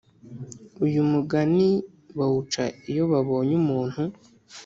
Uyu mugani bawuca iyo babonye umuntu